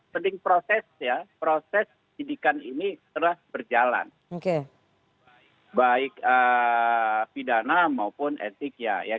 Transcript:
penting proses ya proses penyidikan ini telah berjalan baik pidana maupun etik ya